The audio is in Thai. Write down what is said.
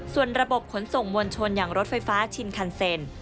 ส่วนระบบขนส่งมวลชนอย่างรถไฟฟ้าชินคันเซ็น